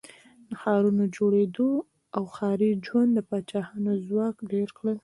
د ښارونو د جوړېدو او ښاري ژوند د پاچاهانو ځواک ډېر کړ.